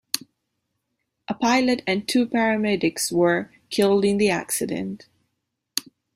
A pilot and two paramedics were killed in the accident.